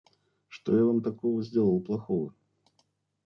Что я Вам такого сделал плохого?